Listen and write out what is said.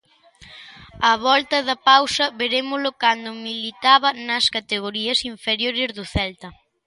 Á volta da pausa verémolo cando militaba nas categorías inferiores do Celta.